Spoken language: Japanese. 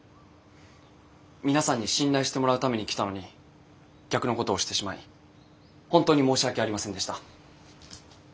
皆さんに信頼してもらうために来たのに逆のことをしてしまい本当に申し訳ありませんでした。